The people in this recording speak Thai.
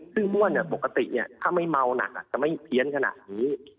ซึ่งอ้วนปกติถ้าไม่เมาหนักจะไม่เพี้ยนขนาดนี้